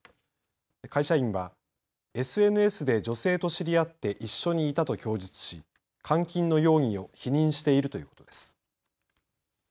会社員はＳＮＳで女性と知り合って一緒にいたと供述し監禁の容疑を否認しているということです。